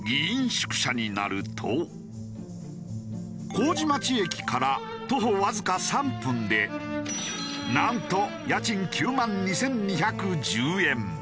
麹町駅から徒歩わずか３分でなんと家賃９万２２１０円。